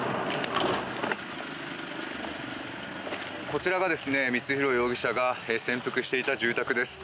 こちらが光弘容疑者が潜伏していた住宅です。